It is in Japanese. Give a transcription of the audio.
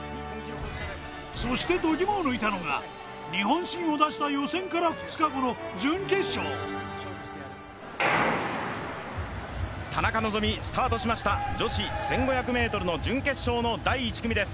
そして度肝を抜いたのが日本新を出した予選から２日後の準決勝田中希実スタートしました女子１５００ｍの準決勝の第１組です